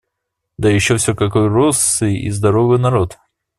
Да еще всё какой рослый и здоровый народ!